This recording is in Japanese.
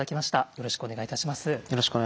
よろしくお願いします。